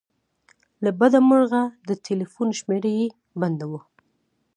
له بده مرغه د ټیلیفون شمېره یې بنده وه.